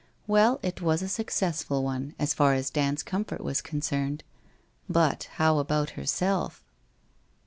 Well, it was a suc cessful one, as far as Dand's comfort was concerned, but how about herself?